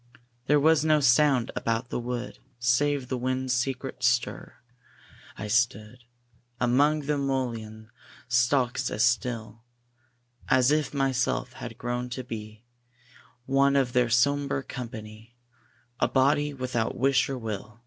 There was no sound about the wood Save the wind's secret stir. I stood Among the mullein stalks as still As if myself had grown to be One of their sombre company, A body without wish or will.